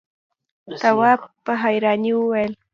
تواب په حيرانی وويل: